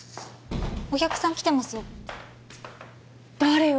お客さん来てますよ誰よ！？